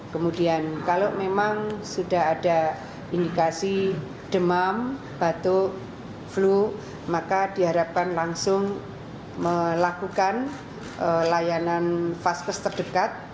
kemudian kalau memang sudah ada indikasi demam batuk flu maka diharapkan langsung melakukan layanan vaskes terdekat